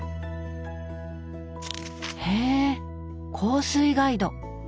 へえ香水ガイド！